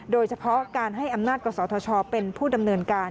โดยเฉพาะการให้อำนาจกศธชเป็นผู้ดำเนินการ